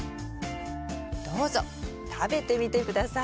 どうぞ食べてみて下さい。